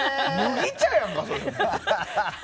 麦茶やんか！